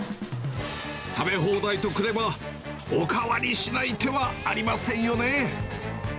食べ放題とくれば、お代わりしない手はありませんよね。